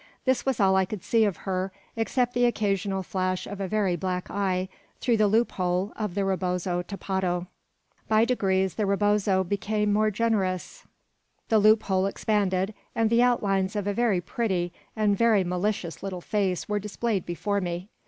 This was all I could see of her, except the occasional flash of a very black eye through the loophole of the rebozo tapado. By degrees, the rebozo became more generous, the loophole expanded, and the outlines of a very pretty and very malicious little face were displayed before me.